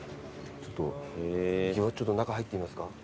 ちょっと中入ってみますか。